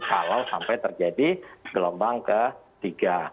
kalau sampai terjadi gelombang ketiga